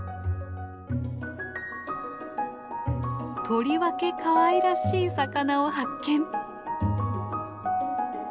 とりわけかわいらしい魚を発見。